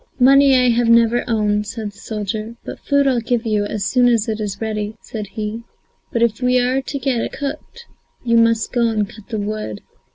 "Money I have never owned," said the soldier, "but food I'll give you, as soon as it is ready," said he, "but if we are to get it cooked, you must go and cut the wood."